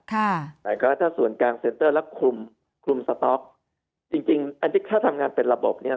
แต่ก็ถ้าส่วนกลางเซ็นเตอร์แล้วคลุมคลุมสต๊อกจริงจริงอันนี้ถ้าทำงานเป็นระบบเนี้ย